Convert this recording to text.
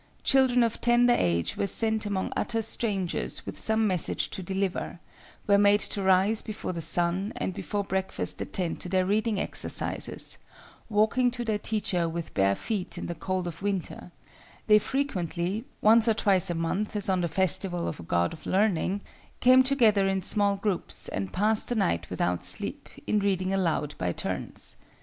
Children of tender age were sent among utter strangers with some message to deliver, were made to rise before the sun, and before breakfast attend to their reading exercises, walking to their teacher with bare feet in the cold of winter; they frequently—once or twice a month, as on the festival of a god of learning,—came together in small groups and passed the night without sleep, in reading aloud by turns.